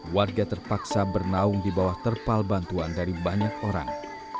warga terpaksa bernaung di bawah terpal bantuan dari banyak orang